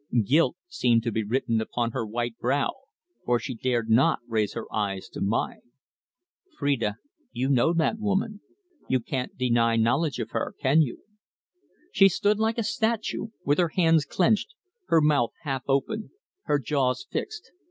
Guilt seemed written upon her white brow, for she dared not raise her eyes to mine. "Phrida, you know that woman you can't deny knowledge of her can you?" She stood like a statue, with her hands clenched, her mouth half open, her jaws fixed.